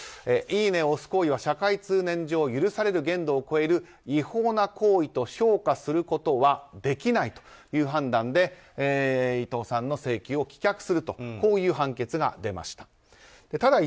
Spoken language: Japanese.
いいねを押す行為は社会通念上許される限度を超える違法な行為と評価することはできないという判断で伊藤さんの請求を棄却するという判決が出ました。